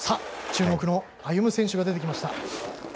注目の歩夢選手が出てきました。